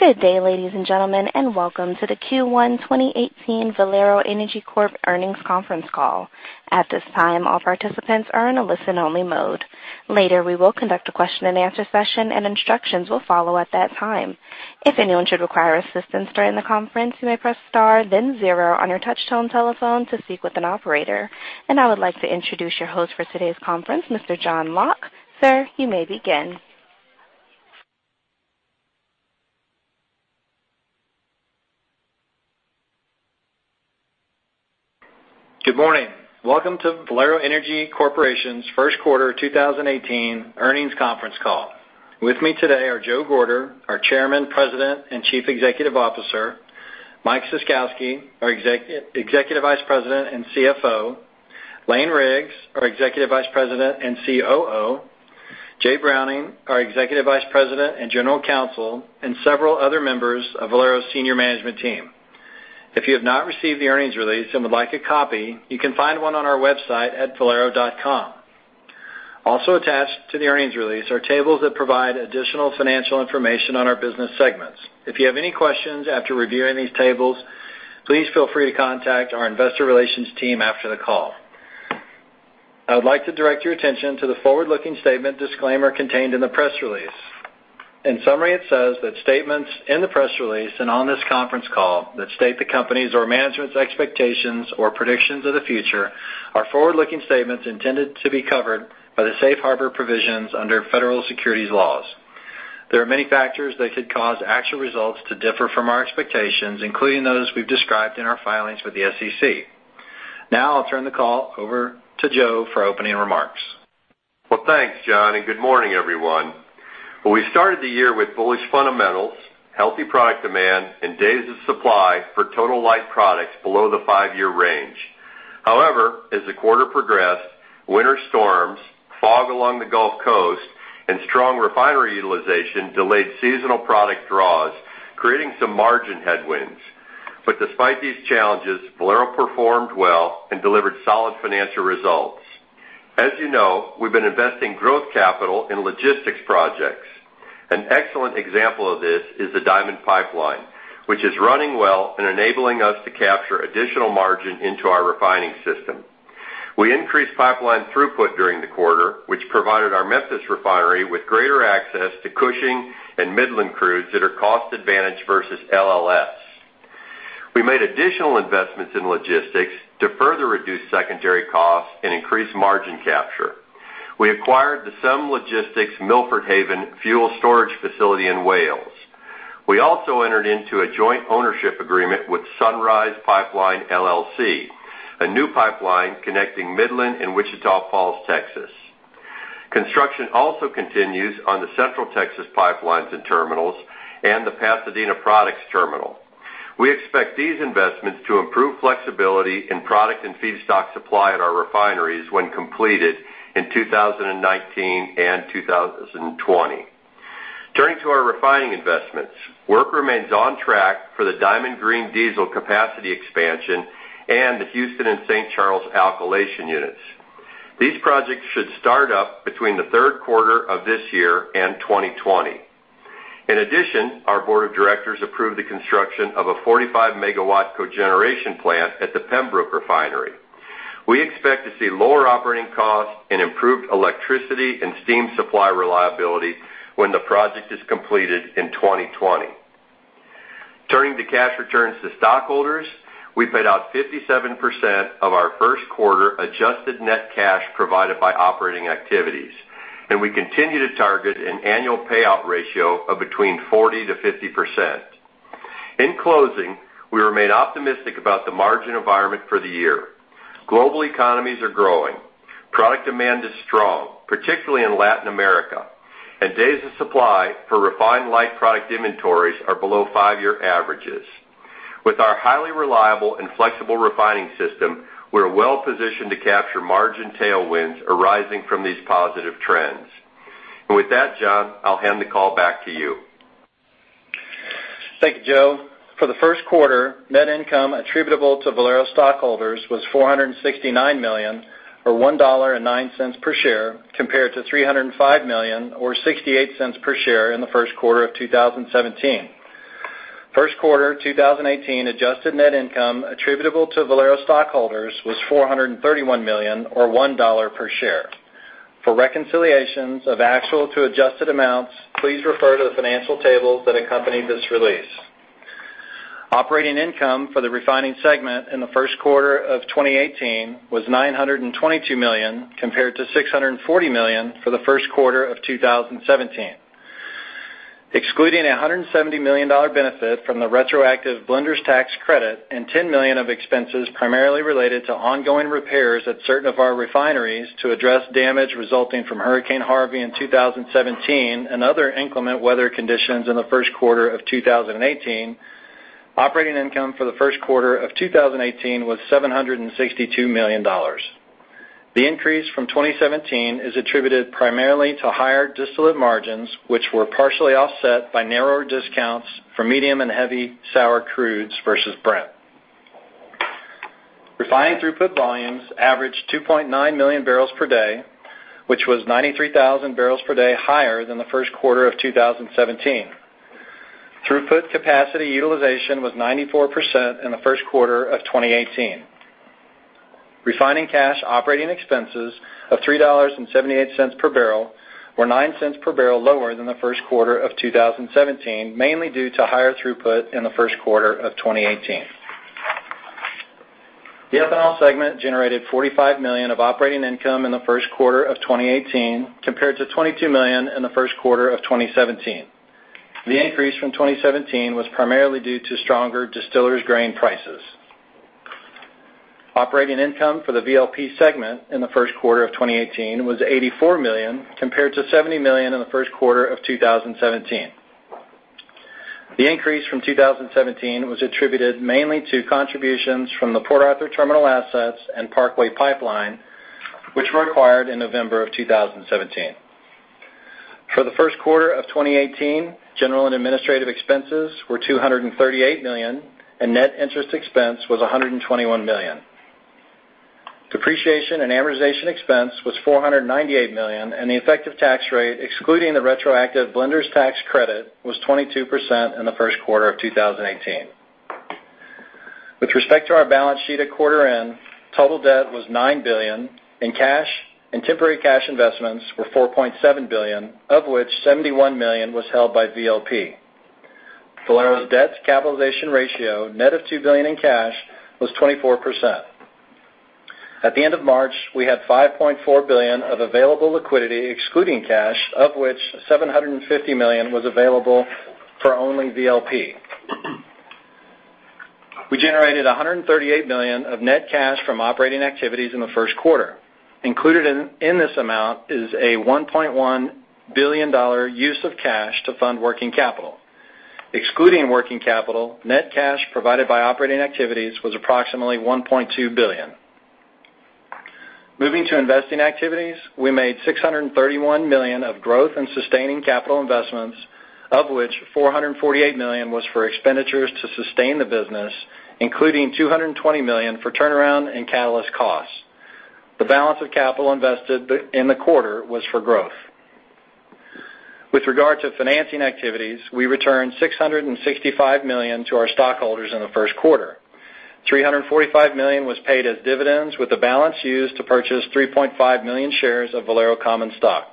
Good day, ladies and gentlemen, welcome to the Q1 2018 Valero Energy Corporation earnings conference call. At this time, all participants are in a listen-only mode. Later, we will conduct a question-and-answer session, and instructions will follow at that time. If anyone should require assistance during the conference, you may press star then zero on your touch-tone telephone to speak with an operator. I would like to introduce your host for today's conference, Mr. John Locke. Sir, you may begin. Good morning. Welcome to Valero Energy Corporation's first quarter 2018 earnings conference call. With me today are Joe Gorder, our Chairman, President, and Chief Executive Officer, Mike Ciskowski, our Executive Vice President and CFO, Lane Riggs, our Executive Vice President and COO, Jay Browning, our Executive Vice President and General Counsel, and several other members of Valero's senior management team. If you have not received the earnings release and would like a copy, you can find one on our website at valero.com. Also attached to the earnings release are tables that provide additional financial information on our business segments. If you have any questions after reviewing these tables, please feel free to contact our investor relations team after the call. I would like to direct your attention to the forward-looking statement disclaimer contained in the press release. In summary, it says that statements in the press release and on this conference call that state the company's or management's expectations or predictions of the future are forward-looking statements intended to be covered by the Safe Harbor provisions under federal securities laws. There are many factors that could cause actual results to differ from our expectations, including those we've described in our filings with the SEC. Now I'll turn the call over to Joe for opening remarks. Thanks, John, and good morning, everyone. We started the year with bullish fundamentals, healthy product demand, and days of supply for total light products below the five-year range. However, as the quarter progressed, winter storms, fog along the Gulf Coast, and strong refinery utilization delayed seasonal product draws, creating some margin headwinds. Despite these challenges, Valero performed well and delivered solid financial results. As you know, we've been investing growth capital in logistics projects. An excellent example of this is the Diamond Pipeline, which is running well and enabling us to capture additional margin into our refining system. We increased pipeline throughput during the quarter, which provided our Memphis refinery with greater access to Cushing and Midland crudes that are cost advantage versus LLS. We made additional investments in logistics to further reduce secondary costs and increase margin capture. We acquired the SemLogistics Milford Haven fuel storage facility in Wales. We also entered into a joint ownership agreement with Sunrise Pipeline LLC, a new pipeline connecting Midland and Wichita Falls, Texas. Construction also continues on the Central Texas pipelines and terminals and the Pasadena Products terminal. We expect these investments to improve flexibility in product and feedstock supply at our refineries when completed in 2019 and 2020. Turning to our refining investments, work remains on track for the Diamond Green Diesel capacity expansion and the Houston and St. Charles alkylation units. These projects should start up between the third quarter of this year and 2020. In addition, our board of directors approved the construction of a 45-megawatt cogeneration plant at the Pembroke refinery. We expect to see lower operating costs and improved electricity and steam supply reliability when the project is completed in 2020. Turning to cash returns to stockholders, we paid out 57% of our first quarter adjusted net cash provided by operating activities, and we continue to target an annual payout ratio of between 40%-50%. In closing, we remain optimistic about the margin environment for the year. Global economies are growing. Product demand is strong, particularly in Latin America, and days of supply for refined light product inventories are below five-year averages. With our highly reliable and flexible refining system, we're well-positioned to capture margin tailwinds arising from these positive trends. With that, John, I'll hand the call back to you. Thank you, Joe. For the first quarter, net income attributable to Valero stockholders was $469 million, or $1.09 per share, compared to $305 million or $0.68 per share in the first quarter of 2017. First quarter 2018 adjusted net income attributable to Valero stockholders was $431 million or $1 per share. For reconciliations of actual to adjusted amounts, please refer to the financial tables that accompany this release. Operating income for the refining segment in the first quarter of 2018 was $922 million, compared to $640 million for the first quarter of 2017. Excluding a $170 million benefit from the retroactive Blenders Tax Credit and $10 million of expenses primarily related to ongoing repairs at certain of our refineries to address damage resulting from Hurricane Harvey in 2017 and other inclement weather conditions in the first quarter of 2018, operating income for the first quarter of 2018 was $762 million. The increase from 2017 is attributed primarily to higher distillate margins, which were partially offset by narrower discounts for medium and heavy sour crudes versus Brent. Refining throughput volumes averaged 2.9 million barrels per day, which was 93,000 barrels per day higher than the first quarter of 2017. Throughput capacity utilization was 94% in the first quarter of 2018. Refining cash operating expenses of $3.78 per barrel were $0.09 per barrel lower than the first quarter of 2017, mainly due to higher throughput in the first quarter of 2018. The Ethanol Segment generated $45 million of operating income in the first quarter of 2018, compared to $22 million in the first quarter of 2017. The increase from 2017 was primarily due to stronger distillers grain prices. Operating income for the VLP segment in the first quarter of 2018 was $84 million, compared to $70 million in the first quarter of 2017. The increase from 2017 was attributed mainly to contributions from the Port Arthur terminal assets and Parkway Pipeline, which were acquired in November of 2017. For the first quarter of 2018, general and administrative expenses were $238 million, and net interest expense was $121 million. Depreciation and amortization expense was $498 million, and the effective tax rate, excluding the retroactive Blenders Tax Credit, was 22% in the first quarter of 2018. With respect to our balance sheet at quarter end, total debt was $9 billion, and cash and temporary cash investments were $4.7 billion, of which $71 million was held by VLP. Valero's debt-to-capitalization ratio, net of $2 billion in cash, was 24%. At the end of March, we had $5.4 billion of available liquidity excluding cash, of which $750 million was available for only VLP. We generated $138 million of net cash from operating activities in the first quarter. Included in this amount is a $1.1 billion use of cash to fund working capital. Excluding working capital, net cash provided by operating activities was approximately $1.2 billion. Moving to investing activities, we made $631 million of growth and sustaining capital investments, of which $448 million was for expenditures to sustain the business, including $220 million for turnaround and catalyst costs. The balance of capital invested in the quarter was for growth. With regard to financing activities, we returned $665 million to our stockholders in the first quarter. $345 million was paid as dividends, with the balance used to purchase 3.5 million shares of Valero common stock.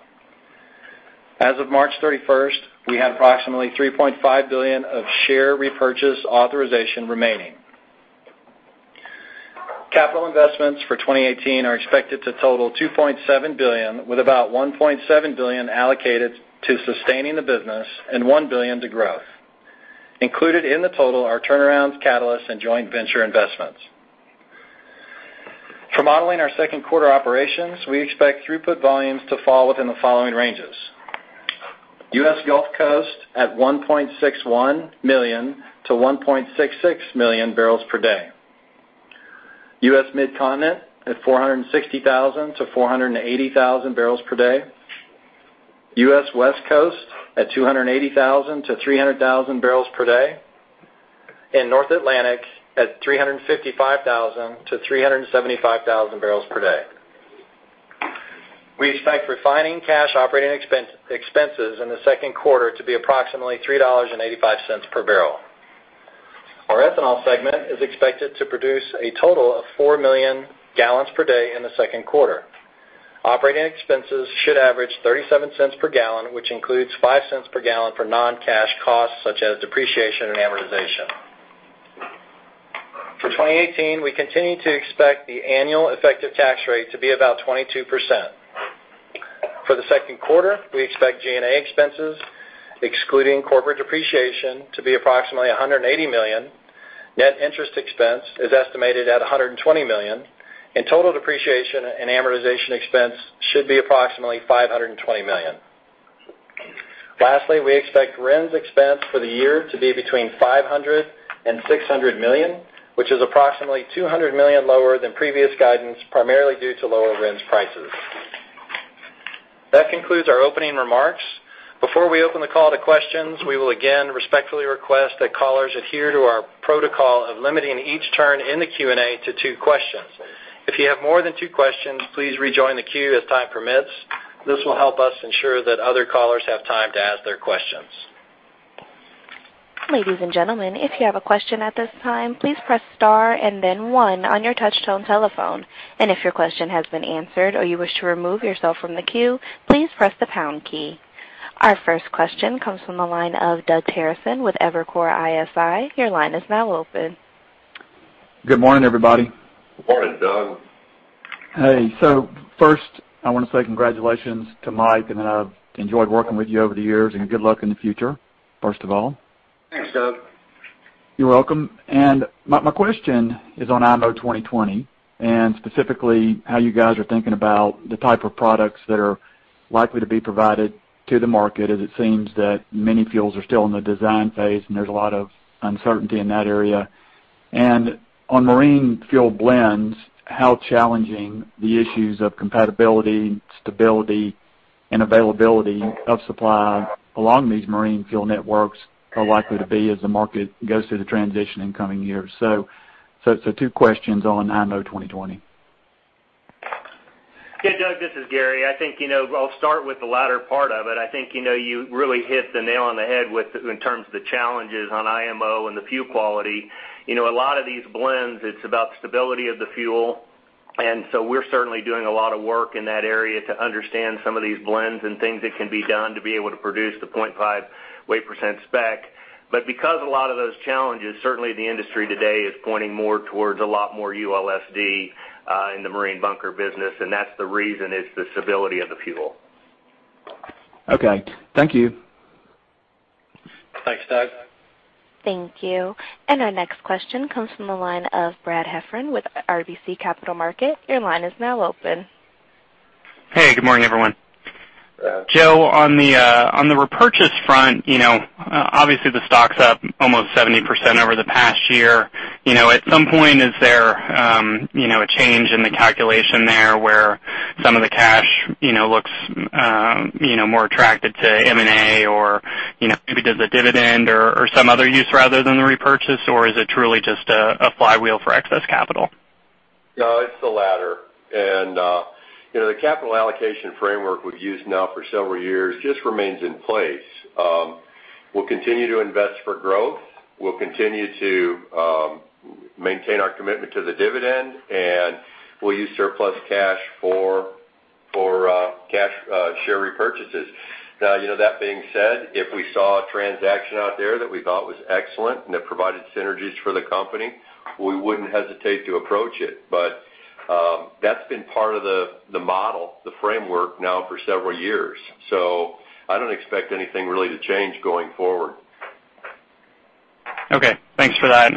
As of March 31st, we had approximately $3.5 billion of share repurchase authorization remaining. Capital investments for 2018 are expected to total $2.7 billion, with about $1.7 billion allocated to sustaining the business and $1 billion to growth. Included in the total are turnarounds, catalysts, and joint venture investments. For modeling our second quarter operations, we expect throughput volumes to fall within the following ranges: U.S. Gulf Coast at 1.61 million-1.66 million barrels per day, U.S. Midcontinent at 460,000-480,000 barrels per day, U.S. West Coast at 280,000-300,000 barrels per day, and North Atlantic at 355,000-375,000 barrels per day. We expect refining cash operating expenses in the second quarter to be approximately $3.85 per barrel. Our Ethanol Segment is expected to produce a total of four million gallons per day in the second quarter. Operating expenses should average $0.37 per gallon, which includes $0.05 per gallon for non-cash costs such as depreciation and amortization. For 2018, we continue to expect the annual effective tax rate to be about 22%. For the second quarter, we expect G&A expenses, excluding corporate depreciation, to be approximately $180 million. Net interest expense is estimated at $120 million, and total depreciation and amortization expense should be approximately $520 million. Lastly, we expect RINs expense for the year to be between $500 million and $600 million, which is approximately $200 million lower than previous guidance, primarily due to lower RINs prices. That concludes our opening remarks. Before we open the call to questions, we will again respectfully request that callers adhere to our protocol of limiting each turn in the Q&A to two questions. If you have more than two questions, please rejoin the queue as time permits. This will help us ensure that other callers have time to ask their questions. Ladies and gentlemen, if you have a question at this time, please press star and then one on your touchtone telephone. If your question has been answered or you wish to remove yourself from the queue, please press the pound key. Our first question comes from the line of Doug Terreson with Evercore ISI. Your line is now open. Good morning, everybody. Good morning, Doug. Hey. First, I want to say congratulations to Mike, I've enjoyed working with you over the years, good luck in the future, first of all. Thanks, Doug. You're welcome. My question is on IMO 2020 and specifically how you guys are thinking about the type of products that are likely to be provided to the market, as it seems that many fuels are still in the design phase and there's a lot of uncertainty in that area. On marine fuel blends, how challenging the issues of compatibility and stability Availability of supply along these marine fuel networks are likely to be as the market goes through the transition in coming years. Two questions on IMO 2020. Yeah, Doug, this is Gary. I'll start with the latter part of it. You really hit the nail on the head in terms of the challenges on IMO and the fuel quality. A lot of these blends, it's about stability of the fuel. We're certainly doing a lot of work in that area to understand some of these blends and things that can be done to be able to produce the 0.5 weight % spec. Because of a lot of those challenges, certainly the industry today is pointing more towards a lot more ULSD in the marine bunker business, and that's the reason is the stability of the fuel. Okay. Thank you. Thanks, Doug. Thank you. Our next question comes from the line of Brad Heffern with RBC Capital Markets. Your line is now open. Hey, good morning, everyone. Brad. Joe, on the repurchase front, obviously the stock's up almost 70% over the past year. At some point, is there a change in the calculation there where some of the cash looks more attracted to M&A or maybe there's a dividend or some other use rather than the repurchase, or is it truly just a flywheel for excess capital? No, it's the latter. The capital allocation framework we've used now for several years just remains in place. We'll continue to invest for growth. We'll continue to maintain our commitment to the dividend, and we'll use surplus cash for share repurchases. That being said, if we saw a transaction out there that we thought was excellent and that provided synergies for the company, we wouldn't hesitate to approach it. That's been part of the model, the framework now for several years. I don't expect anything really to change going forward. Okay. Thanks for that.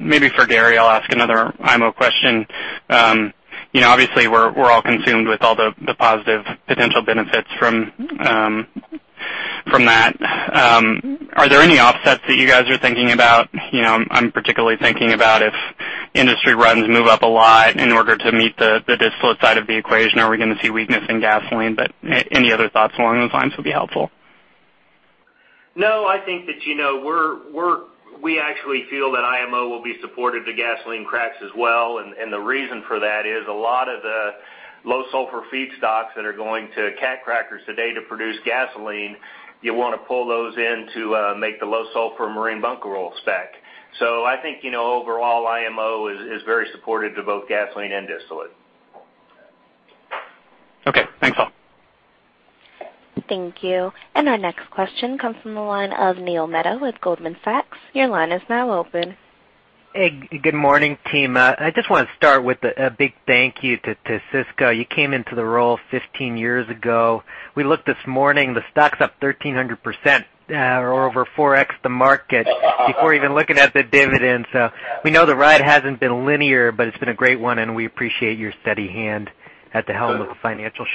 Maybe for Gary, I'll ask another IMO question. Obviously, we're all consumed with all the positive potential benefits from that. Are there any offsets that you guys are thinking about? I'm particularly thinking about if industry runs move up a lot in order to meet the distillate side of the equation. Are we going to see weakness in gasoline? Any other thoughts along those lines would be helpful. I think that we actually feel that IMO will be supportive to gasoline cracks as well. The reason for that is a lot of the low sulfur feedstocks that are going to cat crackers today to produce gasoline, you want to pull those in to make the low sulfur marine bunker oil spec. I think, overall, IMO is very supportive to both gasoline and distillate. Okay. Thanks all. Thank you. Our next question comes from the line of Neil Mehta with Goldman Sachs. Your line is now open. Hey, good morning team. I just want to start with a big thank you to Cisco. You came into the role 15 years ago. We looked this morning, the stock's up 1,300% or over 4x the market before even looking at the dividend. We know the ride hasn't been linear, but it's been a great one and we appreciate your steady hand at the helm of the financial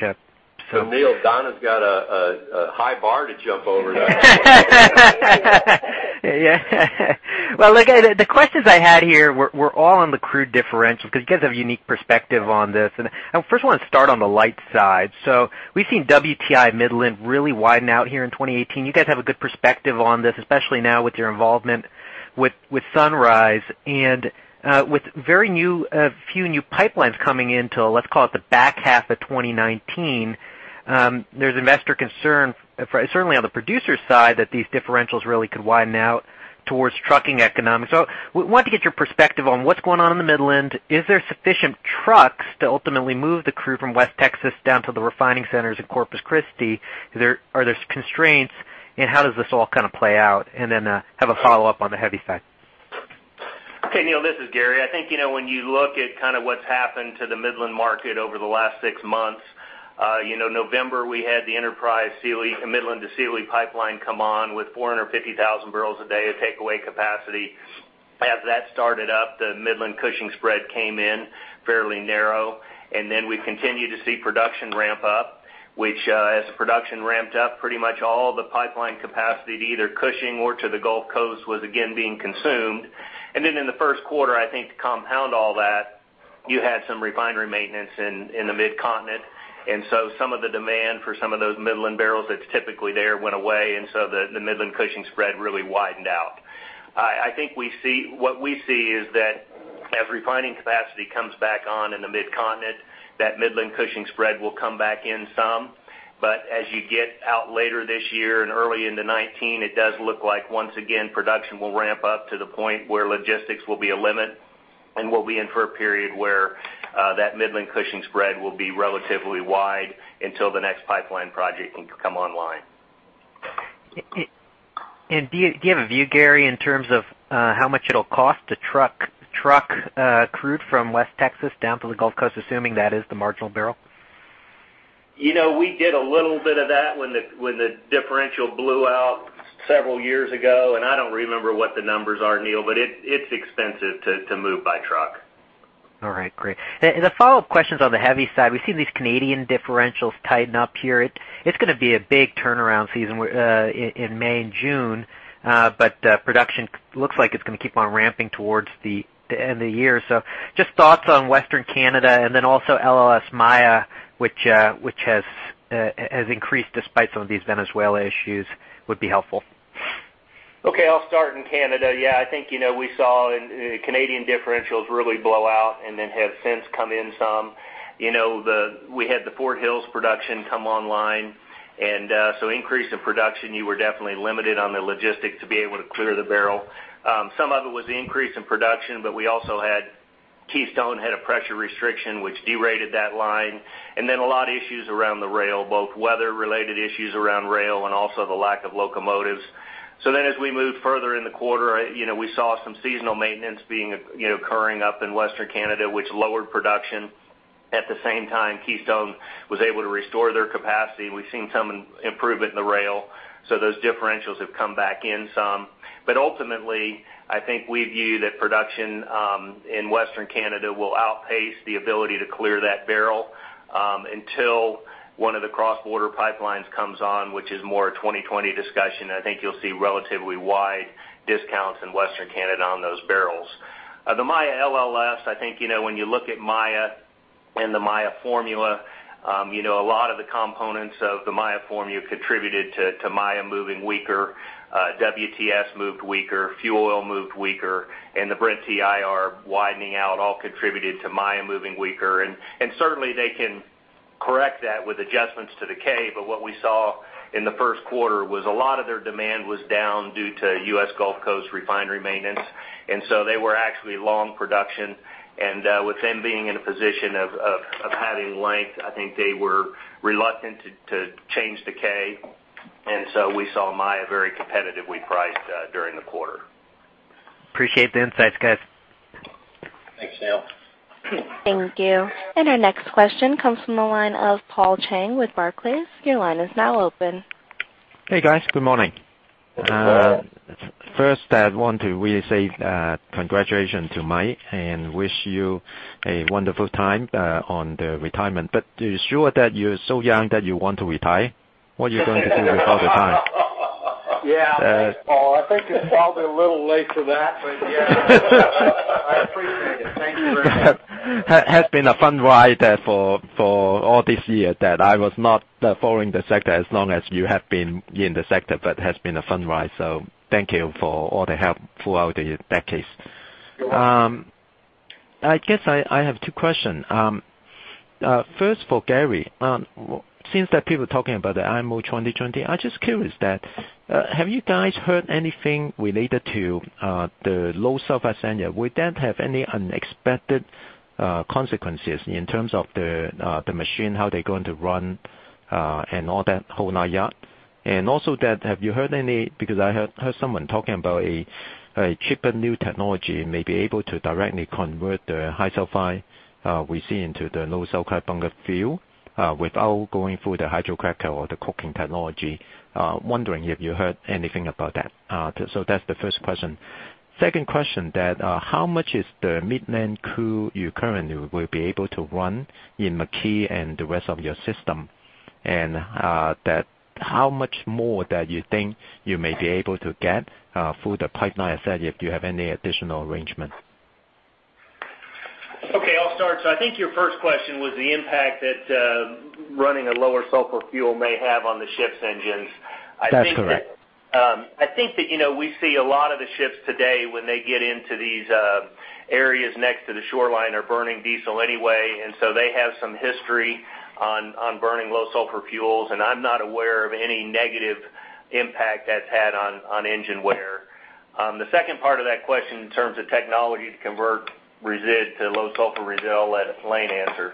ship. Neil, Donna's got a high bar to jump over now. Yeah. Well, look, the questions I had here were all on the crude differential because you guys have a unique perspective on this. I first want to start on the light side. We've seen WTI Midland really widen out here in 2018. You guys have a good perspective on this, especially now with your involvement with Sunrise and with very few new pipelines coming into, let's call it, the back half of 2019. There's investor concern, certainly on the producer side, that these differentials really could widen out towards trucking economics. We wanted to get your perspective on what's going on in the Midland. Is there sufficient trucks to ultimately move the crude from West Texas down to the refining centers in Corpus Christi? Are there constraints, and how does this all kind of play out? Have a follow-up on the heavy side. Okay, Neil, this is Gary. I think, when you look at what's happened to the Midland market over the last six months, November, we had the Enterprise Midland to Sealy pipeline come on with 450,000 barrels a day of takeaway capacity. As that started up, the Midland Cushing spread came in fairly narrow. We continued to see production ramp up, which, as production ramped up, pretty much all the pipeline capacity to either Cushing or to the Gulf Coast was again being consumed. In the first quarter, I think to compound all that, you had some refinery maintenance in the mid-continent. Some of the demand for some of those Midland barrels that's typically there went away, and so the Midland Cushing spread really widened out. I think what we see is that as refining capacity comes back on in the mid-continent, that Midland Cushing spread will come back in some. As you get out later this year and early into 2019, it does look like, once again, production will ramp up to the point where logistics will be a limit, and we'll be in for a period where that Midland Cushing spread will be relatively wide until the next pipeline project can come online. Do you have a view, Gary, in terms of how much it'll cost to truck crude from West Texas down to the Gulf Coast, assuming that is the marginal barrel? We did a little bit of that when the differential blew out several years ago, and I don't remember what the numbers are, Neil, but it's expensive to move by truck. All right, great. The follow-up question's on the heavy side. We've seen these Canadian differentials tighten up here. It's going to be a big turnaround season in May and June. Production looks like it's going to keep on ramping towards the end of the year. Just thoughts on Western Canada and then also Maya, which has increased despite some of these Venezuela issues, would be helpful. Okay, I'll start in Canada. Yeah, I think we saw Canadian differentials really blow out and then have since come in some. We had the Fort Hills production come online, and so increase in production, you were definitely limited on the logistics to be able to clear the barrel. Some of it was the increase in production, but we also had Keystone had a pressure restriction which derated that line. A lot of issues around the rail, both weather-related issues around rail and also the lack of locomotives. As we moved further in the quarter, we saw some seasonal maintenance occurring up in Western Canada, which lowered production. At the same time, Keystone was able to restore their capacity, and we've seen some improvement in the rail. Those differentials have come back in some. Ultimately, I think we view that production in Western Canada will outpace the ability to clear that barrel until one of the cross-border pipelines comes on, which is more a 2020 discussion. I think you'll see relatively wide discounts in Western Canada on those barrels. The Maya LLS, I think, when you look at Maya and the Maya formula, a lot of the components of the Maya formula contributed to Maya moving weaker. WTS moved weaker, fuel oil moved weaker, and the Brent TIR widening out all contributed to Maya moving weaker. Certainly, they can correct that with adjustments to the K, but what we saw in the first quarter was a lot of their demand was down due to U.S. Gulf Coast refinery maintenance. They were actually long production. With them being in a position of having length, I think they were reluctant to change the K. We saw Maya very competitively priced during the quarter. Appreciate the insights, guys. Thanks, Neil. Thank you. Our next question comes from the line of Paul Cheng with Barclays. Your line is now open. Hey, guys. Good morning. Good morning. First, I want to really say congratulations to Mike and wish you a wonderful time on the retirement. Are you sure that you're so young that you want to retire? What are you going to do with all the time? Yeah. Thanks, Paul. I think it's probably a little late for that, but yeah. I appreciate it. Thank you very much. Has been a fun ride for all these years that I was not following the sector as long as you have been in the sector, but has been a fun ride. Thank you for all the help throughout the decades. You're welcome. I guess I have two questions. First, for Gary. Since that people talking about the IMO 2020, I'm just curious that, have you guys heard anything related to the low sulfur engine? Would that have any unexpected consequences in terms of the machine, how they're going to run, and all that whole yard? Because I heard someone talking about a cheaper new technology may be able to directly convert the high sulfur we see into the low sulfur bunker fuel without going through the hydrocracker or the coking technology. Wondering if you heard anything about that. That's the first question. Second question that, how much is the Midland crude you currently will be able to run in McKee and the rest of your system? How much more that you think you may be able to get through the pipeline, I said, if you have any additional arrangement? I'll start. I think your first question was the impact that running a lower sulfur fuel may have on the ship's engines. That's correct. I think that we see a lot of the ships today when they get into these areas next to the shoreline are burning diesel anyway. They have some history on burning low sulfur fuels, and I'm not aware of any negative impact that's had on engine wear. The second part of that question in terms of technology to convert resid to low sulfur resid, I'll let Lane answer.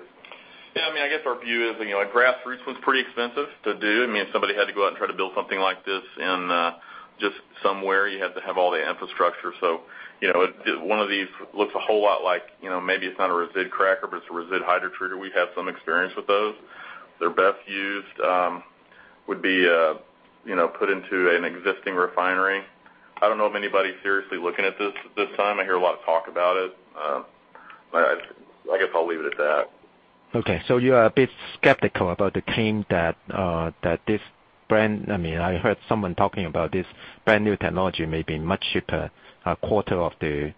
Yeah, I guess our view is a grassroots one's pretty expensive to do. Somebody had to go out and try to build something like this in just somewhere. You had to have all the infrastructure. One of these looks a whole lot like maybe it's not a resid cracker, but it's a resid hydrotreater. We have some experience with those. Their best use would be put into an existing refinery. I don't know of anybody seriously looking at this at this time. I hear a lot of talk about it. I guess I'll leave it at that. Okay. You are a bit skeptical about the claim that I heard someone talking about this brand-new technology may be much cheaper, a quarter of the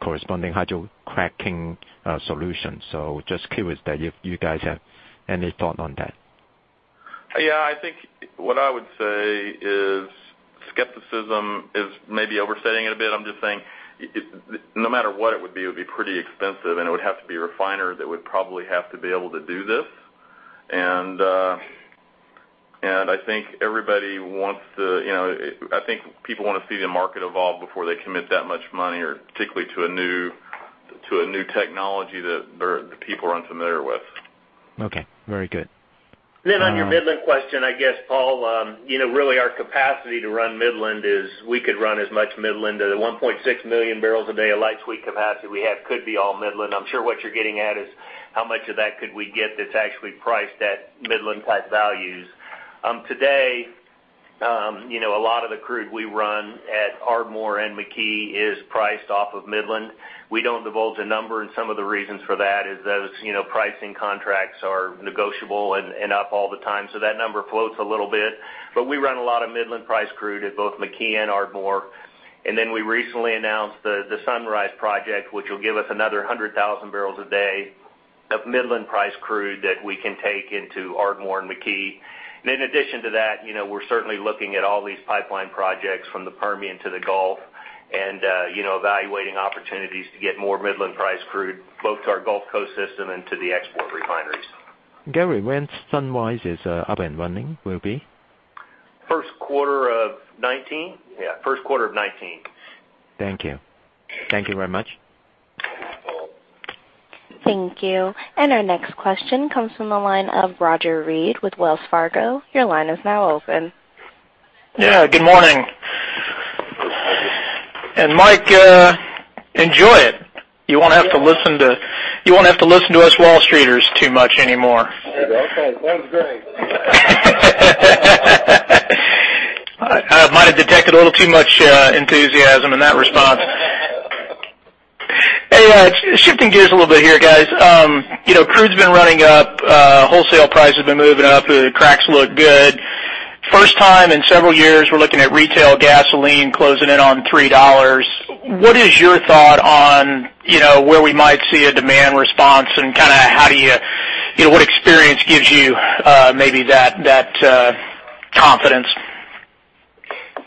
corresponding hydrocracking solution. Just curious that if you guys have any thought on that. Yeah, I think what I would say is skepticism is maybe overstating it a bit. I'm just saying, no matter what it would be, it would be pretty expensive, and it would have to be a refiner that would probably have to be able to do this. I think people want to see the market evolve before they commit that much money, or particularly to a new technology that people are unfamiliar with. Okay. Very good. On your Midland question, Paul, really our capacity to run Midland is we could run as much Midland at a 1.6 million barrels a day of light sweet capacity we have could be all Midland. I'm sure what you're getting at is how much of that could we get that's actually priced at Midland-type values. Today, a lot of the crude we run at Ardmore and McKee is priced off of Midland. We don't divulge a number, and some of the reasons for that is those pricing contracts are negotiable and up all the time. That number floats a little bit. We run a lot of Midland price crude at both McKee and Ardmore. We recently announced the Sunrise Pipeline project, which will give us another 100,000 barrels a day of Midland price crude that we can take into Ardmore and McKee. In addition to that, we're certainly looking at all these pipeline projects from the Permian to the Gulf, and evaluating opportunities to get more Midland price crude, both to our Gulf Coast system and to the export refineries. Gary, when Sunrise Pipeline is up and running, will be? First quarter of 2019. Yeah, first quarter of 2019. Thank you. Thank you very much. Thank you. Our next question comes from the line of Roger Read with Wells Fargo. Your line is now open. Yeah, good morning. Mike, enjoy it. You won't have to listen to us Wall Streeters too much anymore. Okay, sounds great. I might have detected a little too much enthusiasm in that response. Shifting gears a little bit here, guys. Crude's been running up, wholesale price has been moving up, the cracks look good. First time in several years, we're looking at retail gasoline closing in on $3. What is your thought on where we might see a demand response and what experience gives you maybe that confidence?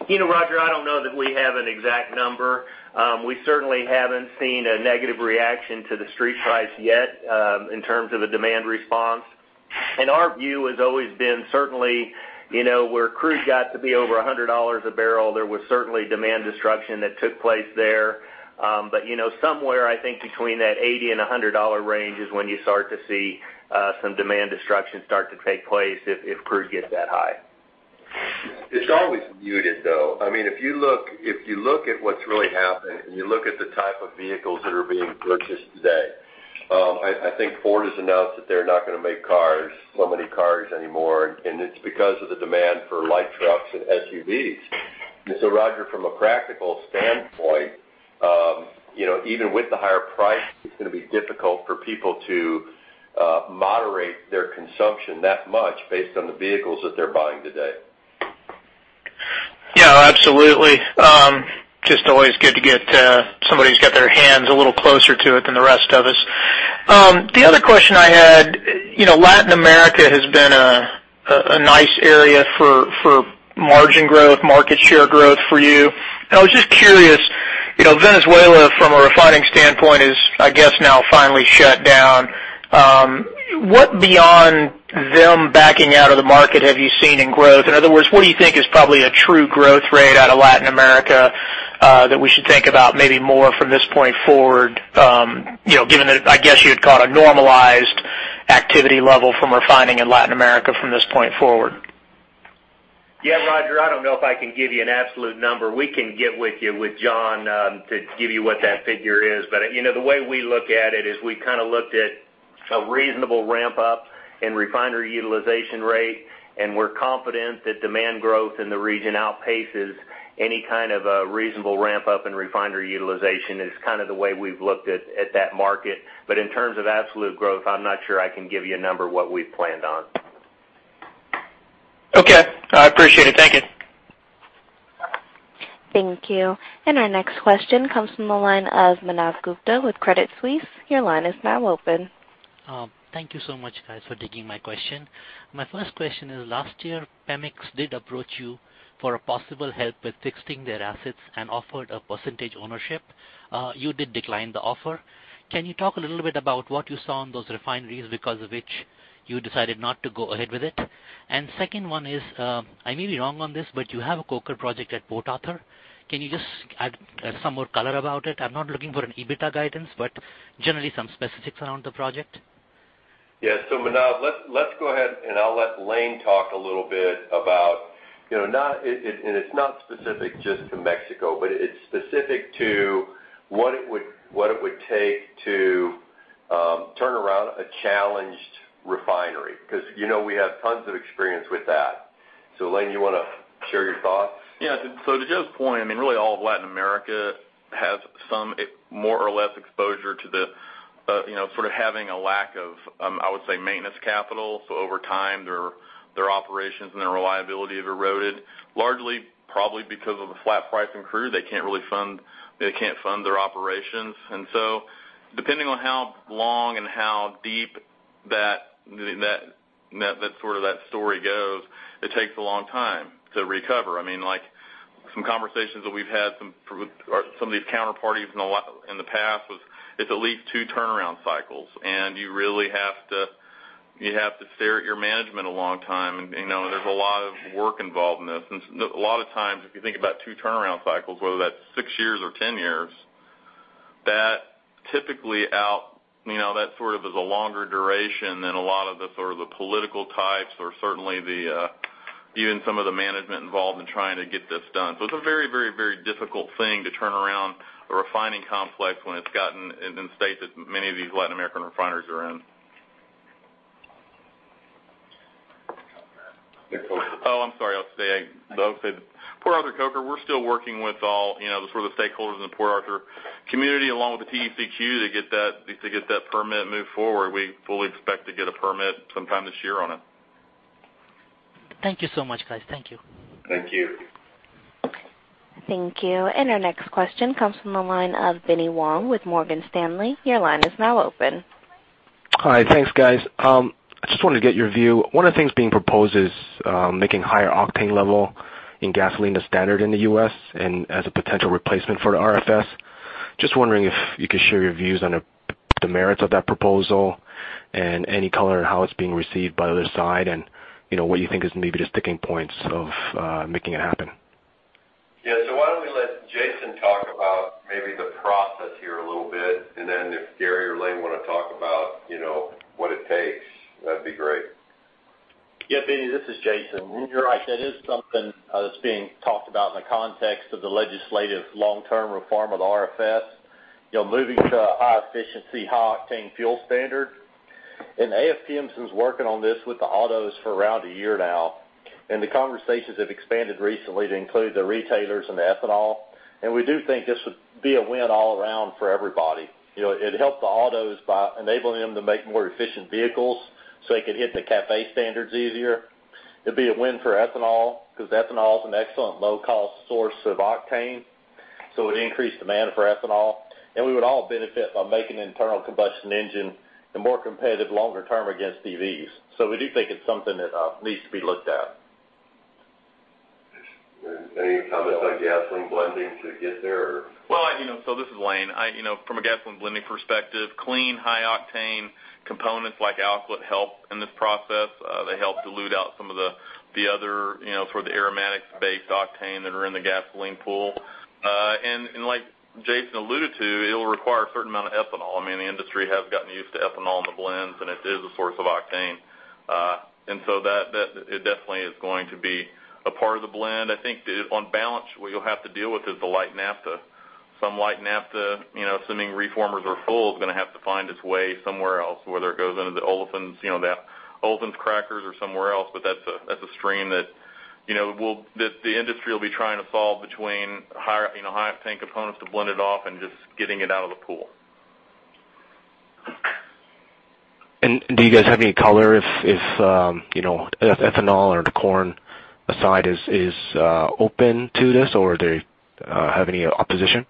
Roger, I don't know that we have an exact number. We certainly haven't seen a negative reaction to the street price yet, in terms of a demand response. Our view has always been certainly, where crude got to be over $100 a barrel, there was certainly demand destruction that took place there. Somewhere, I think, between that $80 and $100 range is when you start to see some demand destruction start to take place if crude gets that high. It's always muted, though. If you look at what's really happened, and you look at the type of vehicles that are being purchased today, I think Ford has announced that they're not going to make so many cars anymore, and it's because of the demand for light trucks and SUVs. Roger, from a practical standpoint, even with the higher price, it's going to be difficult for people to moderate their consumption that much based on the vehicles that they're buying today. Yeah, absolutely. Just always good to get somebody who's got their hands a little closer to it than the rest of us. The other question I had, Latin America has been a nice area for margin growth, market share growth for you. I was just curious, Venezuela from a refining standpoint is, I guess now finally shut down. What beyond them backing out of the market have you seen in growth? In other words, what do you think is probably a true growth rate out of Latin America that we should think about maybe more from this point forward, given that, I guess, you'd call it a normalized activity level from refining in Latin America from this point forward? Yeah, Roger, I don't know if I can give you an absolute number. We can get with you, with John, to give you what that figure is. The way we look at it is we looked at a reasonable ramp-up in refinery utilization rate, and we're confident that demand growth in the region outpaces any kind of a reasonable ramp-up in refinery utilization, is the way we've looked at that market. In terms of absolute growth, I'm not sure I can give you a number what we've planned on. Okay. I appreciate it. Thank you. Thank you. Our next question comes from the line of Manav Gupta with Credit Suisse. Your line is now open. Thank you so much, guys, for taking my question. My first question is, last year, Pemex did approach you for a possible help with fixing their assets and offered a percentage ownership. You did decline the offer. Can you talk a little bit about what you saw on those refineries because of which you decided not to go ahead with it? Second one is, I may be wrong on this, but you have a coker project at Port Arthur. Can you just add some more color about it? I'm not looking for an EBITDA guidance, but generally some specifics around the project. Yeah. Manav, let's go ahead and I'll let Lane talk a little bit about what it would take to turn around a challenged refinery. Because you know we have tons of experience with that. Lane, you want to share your thoughts? Yeah. To Joe's point, really all of Latin America has some, more or less, exposure to sort of having a lack of, I would say, maintenance capital. Over time, their operations and their reliability have eroded. Largely, probably because of the flat price in crude. They can't fund their operations. Depending on how long and how deep that story goes, it takes a long time to recover. Some conversations that we've had, some of these counterparties in the past was, it's at least two turnaround cycles, and you really have to stare at your management a long time, and there's a lot of work involved in this. A lot of times, if you think about two turnaround cycles, whether that's six years or 10 years, that sort of is a longer duration than a lot of the political types or certainly even some of the management involved in trying to get this done. It's a very difficult thing to turn around a refining complex when it's gotten in the state that many of these Latin American refineries are in. Oh, I'm sorry. I'll say, Port Arthur Coker, we're still working with all the sort of stakeholders in the Port Arthur community along with the TCEQ to get that permit moved forward. We fully expect to get a permit sometime this year on it. Thank you so much, guys. Thank you. Thank you. Thank you. Our next question comes from the line of Benny Wong with Morgan Stanley. Your line is now open. Hi. Thanks, guys. I just wanted to get your view. One of the things being proposed is making higher octane level in gasoline the standard in the U.S., and as a potential replacement for the RFS. Just wondering if you could share your views on the merits of that proposal and any color on how it's being received by the other side and what you think is maybe the sticking points of making it happen. Yeah. Why don't we let Jason talk about maybe the process here a little bit, and then if Gary or Lane want to talk about what it takes, that'd be great. Benny, this is Jason. You're right. That is something that's being talked about in the context of the legislative long-term reform of the RFS. Moving to a high-efficiency, high-octane fuel standard. AFPM's working on this with the autos for around a year now, and the conversations have expanded recently to include the retailers and the ethanol. We do think this would be a win all around for everybody. It helps the autos by enabling them to make more efficient vehicles so they could hit the CAFE standards easier. It'd be a win for ethanol because ethanol is an excellent low-cost source of octane, so it increased demand for ethanol. We would all benefit by making internal combustion engine the more competitive longer term against EVs. We do think it's something that needs to be looked at. Any comments on gasoline blending to get there or This is Lane. From a gasoline blending perspective, clean, high octane components like alkylate help in this process. They help dilute out some of the other aromatic-based octane that are in the gasoline pool. Like Jason alluded to, it'll require a certain amount of ethanol. I mean, the industry has gotten used to ethanol in the blends, and it is a source of octane. It definitely is going to be a part of the blend. I think on balance, what you'll have to deal with is the light naphtha. Some light naphtha, assuming reformers are full, is going to have to find its way somewhere else, whether it goes into the olefins crackers or somewhere else. That's a stream that the industry will be trying to solve between higher octane components to blend it off and just getting it out of the pool. Do you guys have any color if ethanol or the corn side is open to this, or do they have any opposition?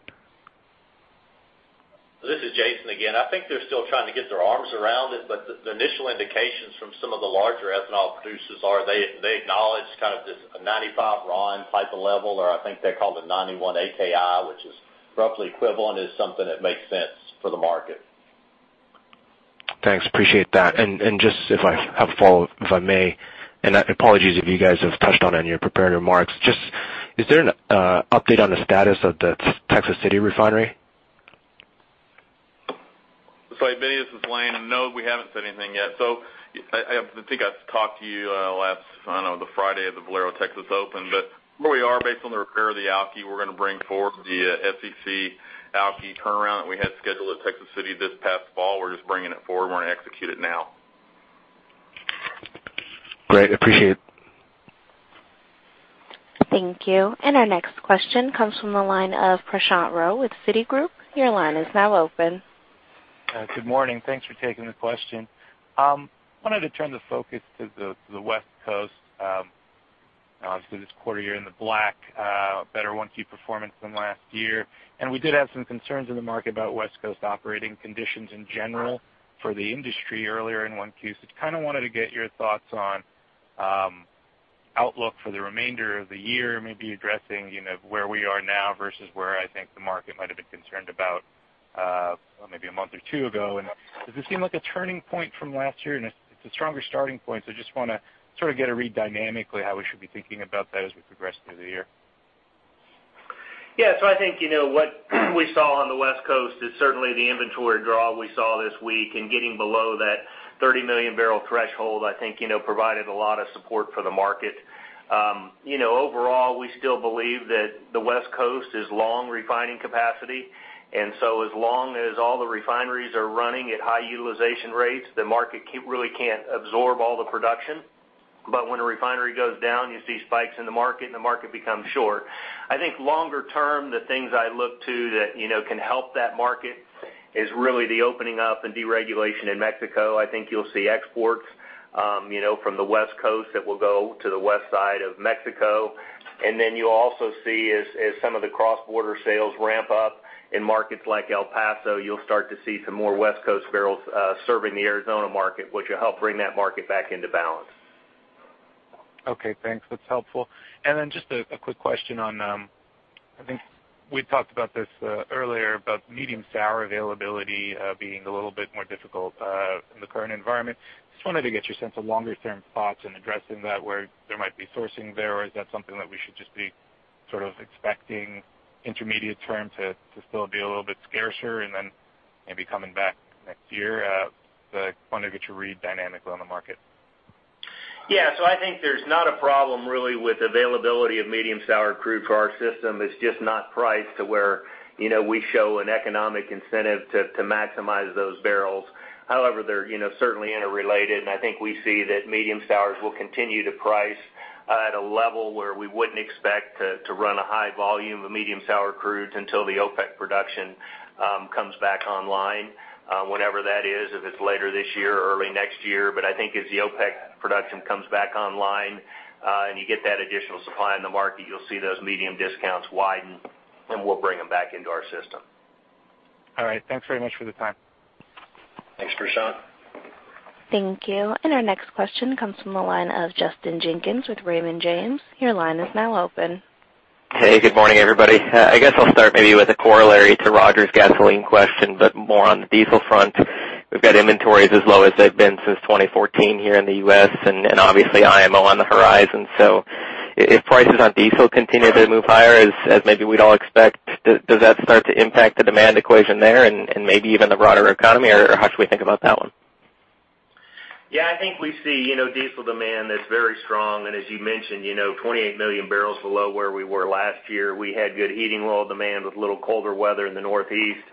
This is Jason again. I think they're still trying to get their arms around it, the initial indications from some of the larger Ethanol producers are they acknowledge kind of this 95 RON type of level, or I think they call it 91 AKI, which is roughly equivalent, is something that makes sense for the market. Thanks. Appreciate that. Just if I have a follow-up, if I may, and apologies if you guys have touched on it in your prepared remarks. Just, is there an update on the status of the Texas City refinery? Benny, this is Lane. No, we haven't said anything yet. I think I talked to you last, I don't know, the Friday of the Valero Texas Open. Where we are based on the repair of the alky, we're going to bring forward the FCC alky turnaround that we had scheduled at Texas City this past fall. We're just bringing it forward. We're going to execute it now. Great. Appreciate it. Thank you. Our next question comes from the line of Prashant Rao with Citigroup. Your line is now open. Good morning. Thanks for taking the question. I wanted to turn the focus to the West Coast. Obviously, this quarter, you're in the black. Better 1Q performance than last year. We did have some concerns in the market about West Coast operating conditions in general for the industry earlier in 1Q. Just kind of wanted to get your thoughts on outlook for the remainder of the year, maybe addressing where we are now versus where I think the market might have been concerned about maybe a month or two ago. Does this seem like a turning point from last year? It's a stronger starting point, so just want to sort of get a read dynamically how we should be thinking about that as we progress through the year. I think what we saw on the West Coast is certainly the inventory draw we saw this week and getting below that 30 million barrel threshold, I think provided a lot of support for the market. Overall, we still believe that the West Coast is long refining capacity, and so as long as all the refineries are running at high utilization rates, the market really can't absorb all the production. When a refinery goes down, you see spikes in the market, and the market becomes short. I think longer term, the things I look to that can help that market is really the opening up and deregulation in Mexico. I think you'll see exports from the West Coast that will go to the west side of Mexico. You'll also see as some of the cross-border sales ramp up in markets like El Paso, you'll start to see some more West Coast barrels serving the Arizona market, which will help bring that market back into balance. Okay, thanks. That's helpful. Then just a quick question on, I think we talked about this earlier, about medium sour availability being a little bit more difficult in the current environment. Just wanted to get your sense of longer-term thoughts in addressing that, where there might be sourcing there, or is that something that we should just be sort of expecting intermediate term to still be a little bit scarcer and then maybe coming back next year? Want to get your read dynamically on the market. Yeah. I think there's not a problem really with availability of medium sour crude to our system. It's just not priced to where we show an economic incentive to maximize those barrels. However, they're certainly interrelated, and I think we see that medium sours will continue to price at a level where we wouldn't expect to run a high volume of medium sour crudes until the OPEC production comes back online. Whenever that is, if it's later this year or early next year. I think as the OPEC production comes back online, and you get that additional supply in the market, you'll see those medium discounts widen. We'll bring them back into our system. All right. Thanks very much for the time. Thanks, Prashant. Thank you. Our next question comes from the line of Justin Jenkins with Raymond James. Your line is now open. Hey, good morning, everybody. I guess I'll start maybe with a corollary to Roger's gasoline question, but more on the diesel front. We've got inventories as low as they've been since 2014 here in the U.S., and obviously IMO on the horizon. If prices on diesel continue to move higher, as maybe we'd all expect, does that start to impact the demand equation there and maybe even the broader economy? How should we think about that one? Yeah, I think we see diesel demand that's very strong, as you mentioned, 28 million barrels below where we were last year. We had good heating oil demand with a little colder weather in the Northeast.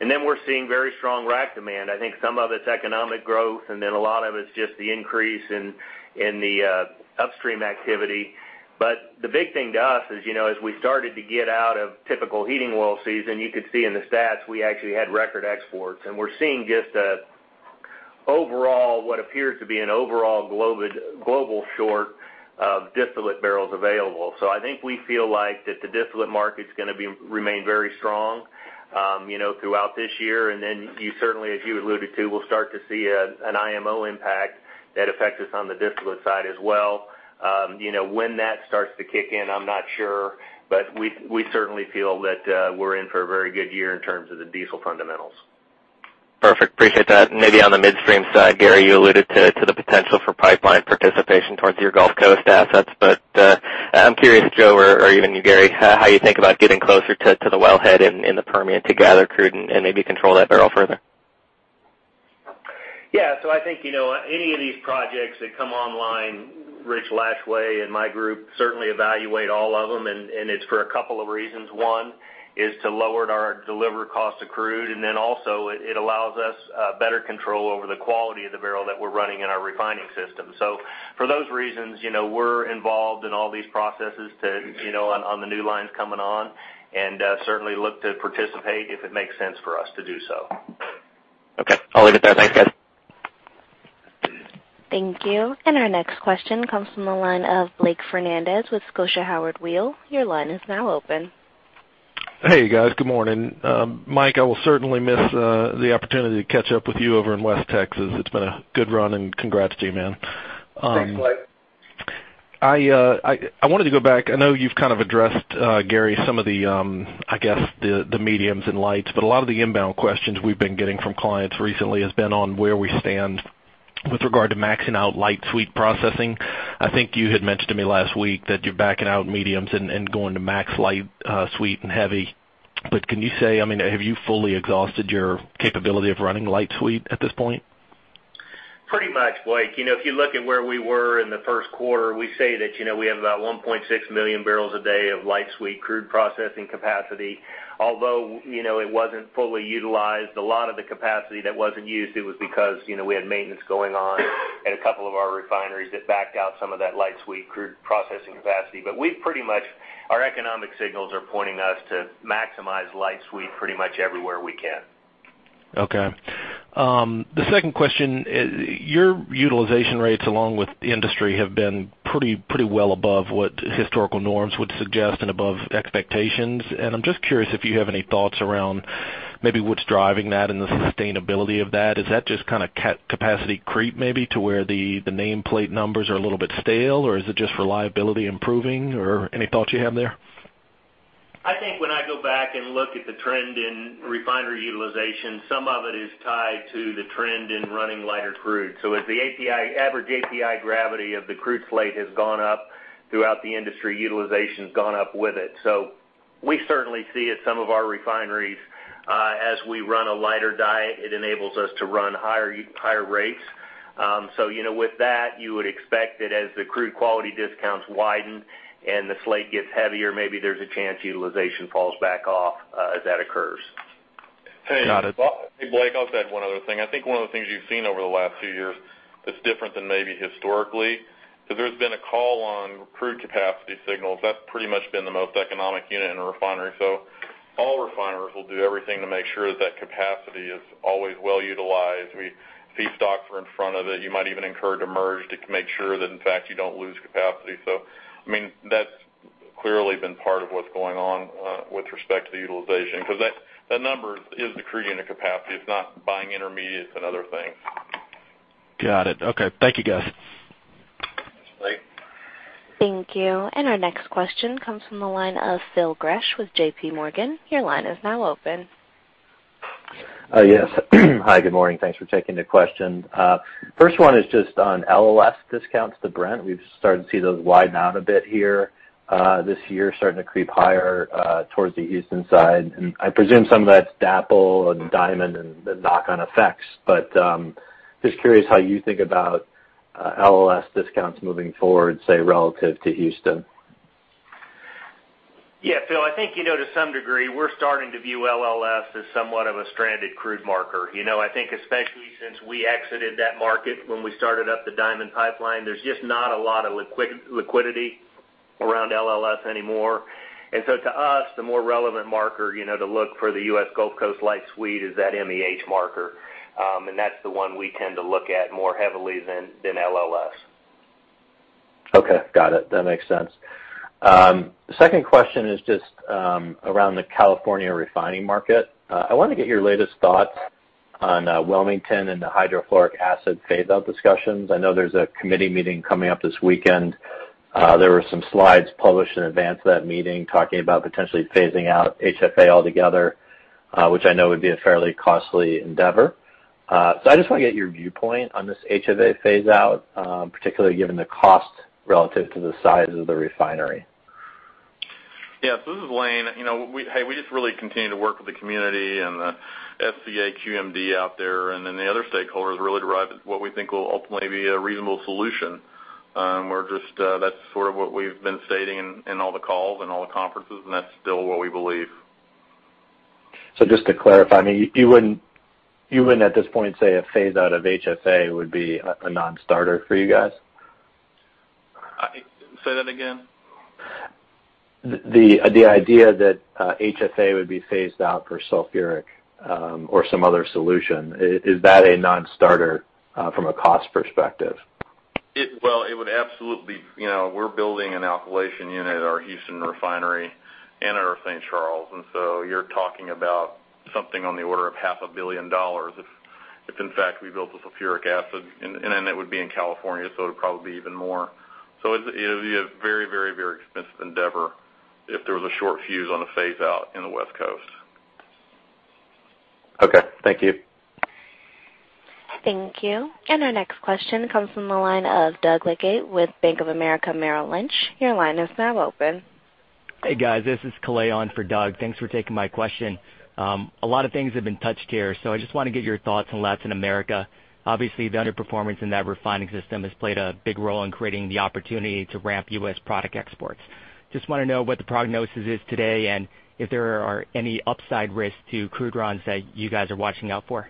We're seeing very strong rack demand. I think some of it's economic growth, a lot of it's just the increase in the upstream activity. The big thing to us is, as we started to get out of typical heating oil season, you could see in the stats we actually had record exports, we're seeing just what appears to be an overall global short of distillate barrels available. I think we feel like that the distillate market is going to remain very strong throughout this year. You certainly, as you alluded to, will start to see an IMO impact that affects us on the distillate side as well. When that starts to kick in, I'm not sure, we certainly feel that we're in for a very good year in terms of the diesel fundamentals. Perfect. Appreciate that. I'm curious, Joe or even you, Gary, how you think about getting closer to the wellhead in the Permian to gather crude and maybe control that barrel further. Yeah. I think, any of these projects that come online, Rich Walsh and my group certainly evaluate all of them, it's for a two of reasons. One is to lower our delivery cost of crude, also it allows us better control over the quality of the barrel that we're running in our refining system. For those reasons, we're involved in all these processes on the new lines coming on and certainly look to participate if it makes sense for us to do so. Okay. I'll leave it there. Thanks, guys. Thank you. Our next question comes from the line of Blake Fernandez with Scotia Howard Weil. Your line is now open. Hey, guys. Good morning. Mike, I will certainly miss the opportunity to catch up with you over in West Texas. It's been a good run, and congrats to you, man. Thanks, Blake. I wanted to go back. I know you've kind of addressed, Gary, some of the, I guess, the mediums and lights, a lot of the inbound questions we've been getting from clients recently has been on where we stand with regard to maxing out light sweet processing. I think you had mentioned to me last week that you're backing out mediums and going to max light sweet and heavy. Can you say, have you fully exhausted your capability of running light sweet at this point? Pretty much, Blake. If you look at where we were in the first quarter, we say that we have about 1.6 million barrels a day of light sweet crude processing capacity. Although it wasn't fully utilized. A lot of the capacity that wasn't used, it was because we had maintenance going on at a couple of our refineries that backed out some of that light sweet crude processing capacity. Our economic signals are pointing us to maximize light sweet pretty much everywhere we can. Okay. The second question, your utilization rates, along with the industry, have been pretty well above what historical norms would suggest and above expectations, and I'm just curious if you have any thoughts around maybe what's driving that and the sustainability of that. Is that just capacity creep, maybe, to where the nameplate numbers are a little bit stale, or is it just reliability improving? Any thoughts you have there? I think when I go back and look at the trend in refinery utilization, some of it is tied to the trend in running lighter crude. As the average API gravity of the crude slate has gone up throughout the industry, utilization's gone up with it. We certainly see at some of our refineries, as we run a lighter diet, it enables us to run higher rates. With that, you would expect that as the crude quality discounts widen and the slate gets heavier, maybe there's a chance utilization falls back off as that occurs. Got it. Hey, Blake, I'll just add one other thing. I think one of the things you've seen over the last few years that's different than maybe historically, because there's been a call on crude capacity signals. That's pretty much been the most economic unit in a refinery. All refiners will do everything to make sure that capacity is always well utilized. Feedstocks are in front of it. You might even incur demurrage to make sure that, in fact, you don't lose capacity. That's clearly been part of what's going on with respect to the utilization, because that number is the crude unit capacity. It's not buying intermediates and other things. Got it. Okay. Thank you, guys. Thanks, Blake. Thank you. Our next question comes from the line of Phil Gresh with JPMorgan. Your line is now open. Yes. Hi, good morning. Thanks for taking the question. First one is just on LLS discounts to Brent. We've started to see those widen out a bit here this year, starting to creep higher towards the Houston side, I presume some of that's DAPL and Diamond and the knock-on effects. Just curious how you think about LLS discounts moving forward, say, relative to Houston. Phil, I think to some degree, we're starting to view LLS as somewhat of a stranded crude marker. I think especially since we exited that market when we started up the Diamond Pipeline, there's just not a lot of liquidity around LLS anymore. To us, the more relevant marker to look for the U.S. Gulf Coast light sweet is that MEH marker, and that's the one we tend to look at more heavily than LLS. Okay. Got it. That makes sense. Second question is just around the California refining market. I want to get your latest thoughts on Wilmington and the hydrofluoric acid phase-out discussions. I know there's a committee meeting coming up this weekend. There were some slides published in advance of that meeting talking about potentially phasing out HF altogether, which I know would be a fairly costly endeavor. I just want to get your viewpoint on this HF phase-out, particularly given the cost relative to the size of the refinery. Yeah. This is Lane. Hey, we just really continue to work with the community and the SCAQMD out there, the other stakeholders really derive what we think will ultimately be a reasonable solution. That's sort of what we've been stating in all the calls and all the conferences, and that's still what we believe. Just to clarify, you wouldn't at this point say a phase out of HF would be a non-starter for you guys? Say that again. The idea that HF would be phased out for sulfuric or some other solution, is that a non-starter from a cost perspective? We're building an alkylation unit at our Houston refinery and at our St. Charles. You're talking about something on the order of half a billion dollars if in fact we built the sulfuric acid. It would be in California, it would probably be even more. It would be a very expensive endeavor if there was a short fuse on a phase-out in the West Coast. Okay. Thank you. Thank you. Our next question comes from the line of Doug Leggate with Bank of America Merrill Lynch. Your line is now open. Hey, guys. This is Kalei for Doug. Thanks for taking my question. A lot of things have been touched here. I just want to get your thoughts on Latin America. Obviously, the underperformance in that refining system has played a big role in creating the opportunity to ramp U.S. product exports. Just want to know what the prognosis is today and if there are any upside risks to crude runs that you guys are watching out for.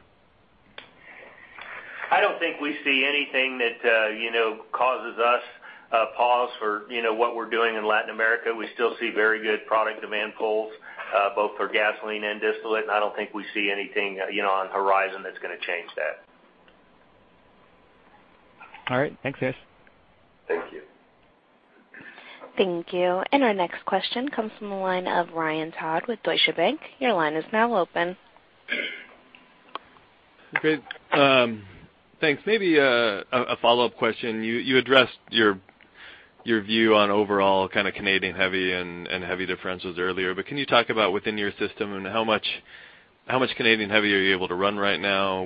I don't think we see anything that causes us a pause for what we're doing in Latin America. We still see very good product demand pulls both for gasoline and distillate, and I don't think we see anything on the horizon that's going to change that. All right. Thanks, guys. Thank you. Thank you. Our next question comes from the line of Ryan Todd with Deutsche Bank. Your line is now open. Great. Thanks. Maybe a follow-up question. You addressed your view on overall Canadian heavy and heavy differentials earlier, can you talk about within your system and how much Canadian heavy are you able to run right now?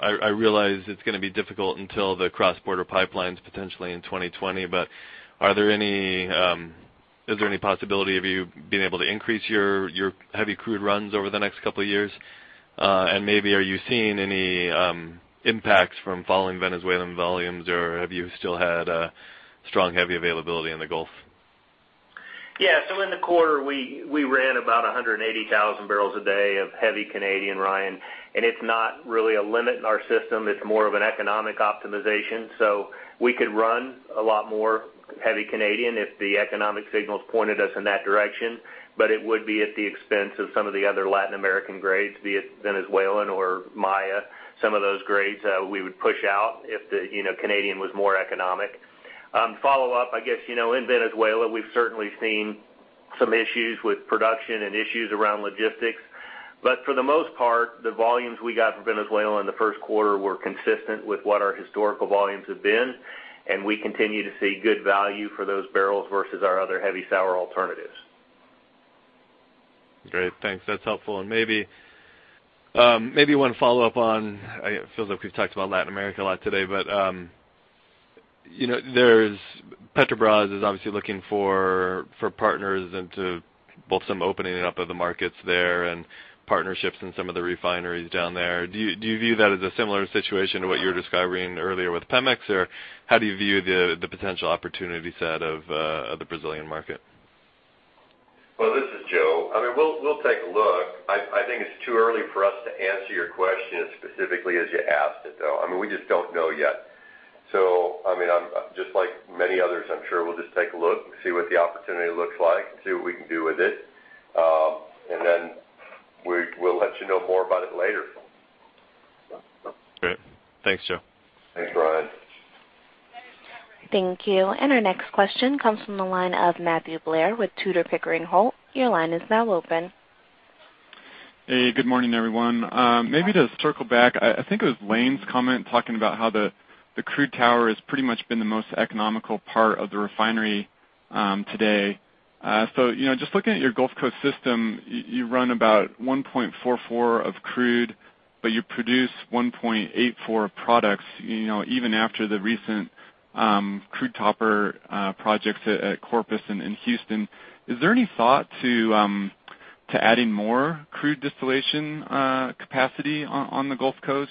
I realize it's going to be difficult until the cross-border pipelines potentially in 2020, is there any possibility of you being able to increase your heavy crude runs over the next couple of years? Maybe are you seeing any impacts from falling Venezuelan volumes or have you still had a strong heavy availability in the Gulf? Yeah. In the quarter, we ran about 180,000 barrels a day of heavy Canadian, Ryan, it's not really a limit in our system. It's more of an economic optimization. We could run a lot more heavy Canadian if the economic signals pointed us in that direction, it would be at the expense of some of the other Latin American grades, be it Venezuelan or Maya. Some of those grades we would push out if the Canadian was more economic. Follow up, I guess, in Venezuela, we've certainly seen some issues with production and issues around logistics. For the most part, the volumes we got from Venezuela in the first quarter were consistent with what our historical volumes have been, we continue to see good value for those barrels versus our other heavy sour alternatives. Great. Thanks. That's helpful. Maybe one follow-up on, it feels like we've talked about Latin America a lot today, Petrobras is obviously looking for partners into both some opening up of the markets there and partnerships in some of the refineries down there. Do you view that as a similar situation to what you were describing earlier with Pemex? How do you view the potential opportunity set of the Brazilian market? Well, this is Joe. We'll take a look. I think it's too early for us to answer your question as specifically as you asked it, though. We just don't know yet. Just like many others, I'm sure we'll just take a look and see what the opportunity looks like and see what we can do with it. Then we'll let you know more about it later. Great. Thanks, Joe. Thanks, Ryan. Thank you. Our next question comes from the line of Matthew Blair with Tudor, Pickering, Holt. Your line is now open. Hey, good morning, everyone. Maybe to circle back, I think it was Lane's comment talking about how the crude tower has pretty much been the most economical part of the refinery today. Just looking at your Gulf Coast system, you run about 1.44 of crude, but you produce 1.84 of products even after the recent crude topper projects at Corpus and in Houston. Is there any thought to adding more crude distillation capacity on the Gulf Coast?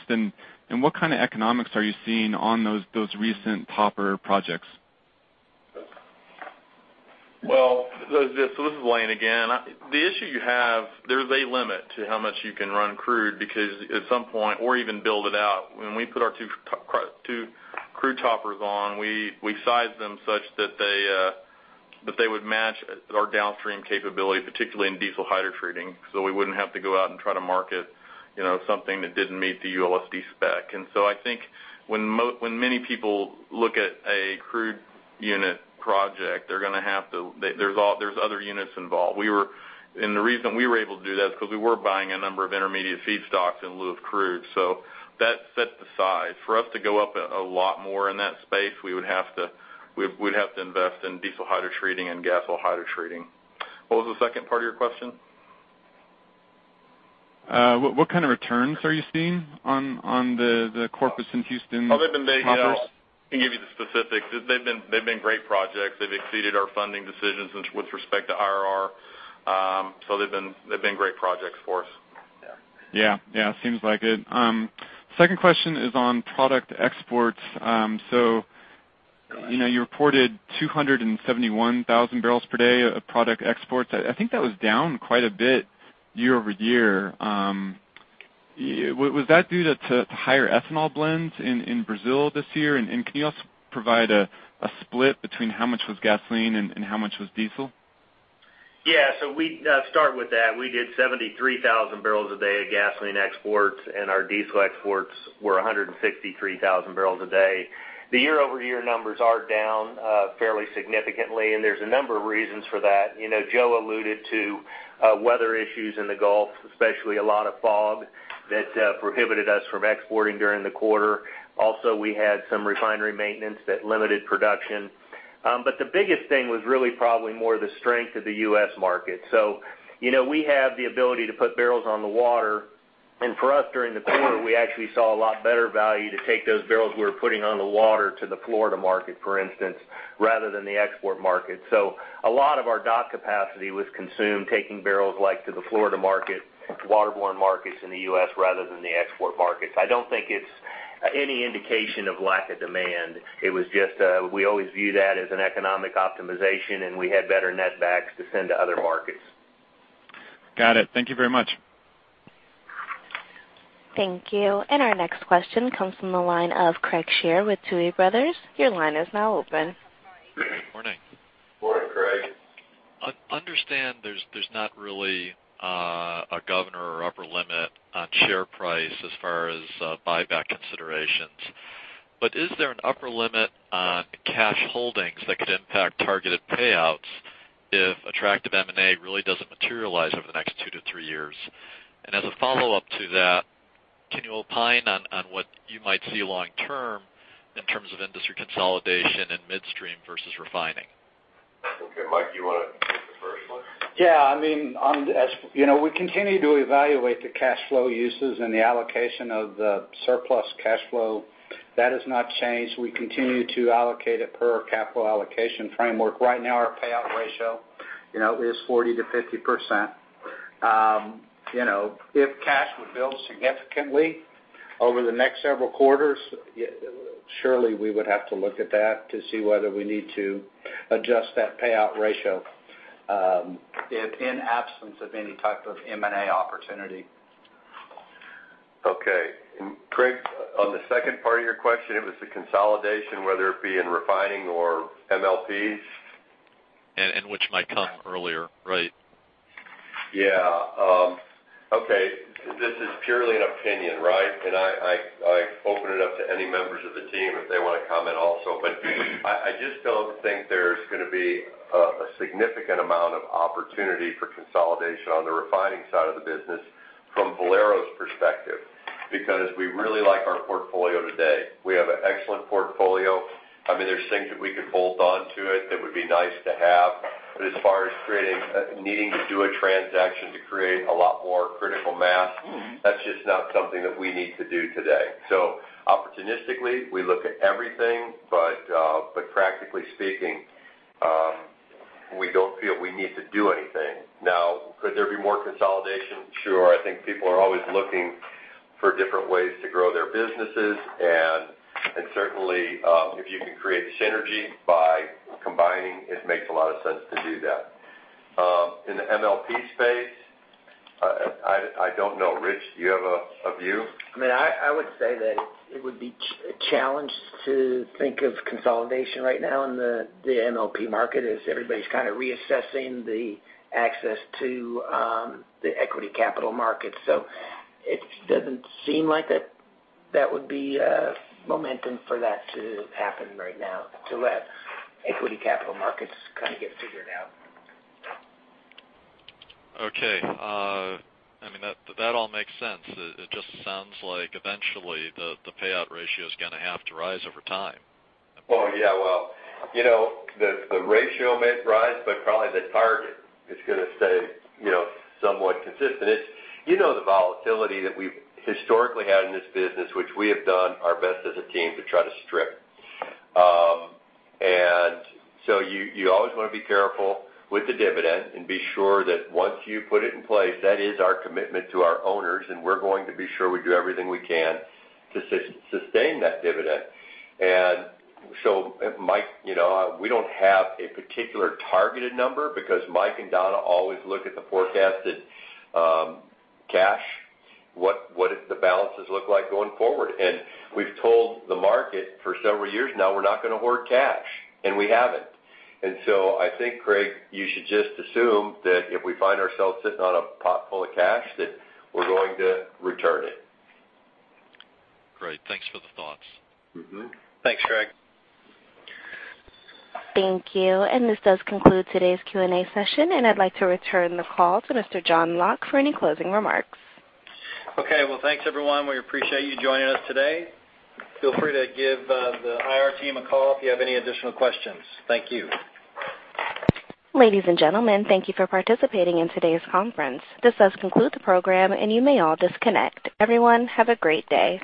What kind of economics are you seeing on those recent topper projects? Well, this is Lane again. The issue you have, there's a limit to how much you can run crude because at some point, or even build it out. When we put our two crude toppers on, we sized them such that they would match our downstream capability, particularly in diesel hydrotreating. We wouldn't have to go out and try to market something that didn't meet the ULSD spec. I think when many people look at a crude unit project, there's other units involved. The reason we were able to do that is because we were buying a number of intermediate feedstocks in lieu of crude. That set the size. For us to go up a lot more in that space, we'd have to invest in diesel hydrotreating and gasoline hydrotreating. What was the second part of your question? What kind of returns are you seeing on the Corpus and Houston projects? Oh, they've been big. I can give you the specifics. They've been great projects. They've exceeded our funding decisions with respect to IRR. They've been great projects for us. Yeah. Seems like it. Second question is on product exports. You reported 271,000 barrels per day of product exports. I think that was down quite a bit year-over-year. Was that due to higher ethanol blends in Brazil this year? Can you also provide a split between how much was gasoline and how much was diesel? Yeah. We start with that. We did 73,000 barrels a day of gasoline exports, our diesel exports were 163,000 barrels a day. The year-over-year numbers are down fairly significantly, there's a number of reasons for that. Joe alluded to weather issues in the Gulf, especially a lot of fog that prohibited us from exporting during the quarter. Also, we had some refinery maintenance that limited production. The biggest thing was really probably more the strength of the U.S. market. We have the ability to put barrels on the water, for us during the quarter, we actually saw a lot better value to take those barrels we were putting on the water to the Florida market, for instance, rather than the export market. A lot of our dock capacity was consumed taking barrels to the Florida market, waterborne markets in the U.S. rather than the export markets. I don't think it's any indication of lack of demand. We always view that as an economic optimization, we had better net backs to send to other markets. Got it. Thank you very much. Thank you. Our next question comes from the line of Craig Shere with Tuohy Brothers. Your line is now open. Good morning. Morning, Craig. I understand there's not really a governor or upper limit on share price as far as buyback considerations. Is there an upper limit on cash holdings that could impact targeted payouts if attractive M&A really doesn't materialize over the next two to three years? As a follow-up to that, can you opine on what you might see long term in terms of industry consolidation and midstream versus refining? Okay. Mike, do you want to take the first one? Yeah. We continue to evaluate the cash flow uses and the allocation of the surplus cash flow. That has not changed. We continue to allocate it per our capital allocation framework. Right now, our payout ratio is 40%-50%. If cash were built significantly over the next several quarters, surely we would have to look at that to see whether we need to adjust that payout ratio in absence of any type of M&A opportunity. Okay. Craig, on the second part of your question, it was the consolidation, whether it be in refining or MLPs? which might come earlier, right? Yeah. Okay. This is purely an opinion, right? I open it up to any members of the team if they want to comment also. I just don't think there's going to be a significant amount of opportunity for consolidation on the refining side of the business from Valero's perspective, because we really like our portfolio today. We have an excellent portfolio. There's things that we could hold onto it that would be nice to have. As far as needing to do a transaction to create a lot more critical mass, that's just not something that we need to do today. Opportunistically, we look at everything, but practically speaking, we don't feel we need to do anything. Now, could there be more consolidation? Sure. I think people are always looking for different ways to grow their businesses, and certainly, if you can create synergy by combining, it makes a lot of sense to do that. In the MLP space, I don't know. Rich, do you have a view? I would say that it would be a challenge to think of consolidation right now in the MLP market as everybody's kind of reassessing the access to the equity capital markets. It doesn't seem like that would be a momentum for that to happen right now, till that equity capital markets kind of get figured out. Okay. That all makes sense. It just sounds like eventually the payout ratio is going to have to rise over time. Oh, yeah. Well, the ratio may rise, but probably the target is going to stay somewhat consistent. You know the volatility that we've historically had in this business, which we have done our best as a team to try to strip. You always want to be careful with the dividend and be sure that once you put it in place, that is our commitment to our owners, and we're going to be sure we do everything we can to sustain that dividend. Mike, we don't have a particular targeted number because Mike and Donna always look at the forecasted cash. What does the balances look like going forward? We've told the market for several years now we're not going to hoard cash, and we haven't. I think, Craig, you should just assume that if we find ourselves sitting on a pot full of cash, that we're going to return it. Great. Thanks for the thoughts. Thanks, Craig. Thank you. This does conclude today's Q&A session. I'd like to return the call to Mr. John Locke for any closing remarks. Okay. Well, thanks everyone. We appreciate you joining us today. Feel free to give the IR team a call if you have any additional questions. Thank you. Ladies and gentlemen, thank you for participating in today's conference. This does conclude the program, and you may all disconnect. Everyone, have a great day.